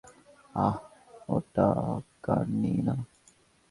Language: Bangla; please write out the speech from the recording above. অ্যাই, ওটা কার্নি না?